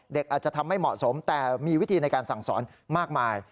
เด็กอาจจะทำไม่เหมาะสมแต่มีวิธีในการสั่งสอนมากมาย